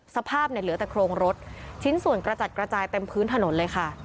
สภาพเนี่ยเหลือแต่โครงรถชิ้นส่วนกระจัดกระจายเต็มพื้นถนนเลยค่ะ